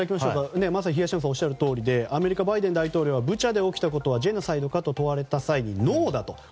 まさに東山さんがおっしゃるとおりでアメリカのバイデン大統領はブチャで起きたことはジェノサイドかと問われた際にノーだと。